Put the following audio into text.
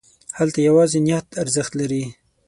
هلته یوازې نیت ارزښت لري.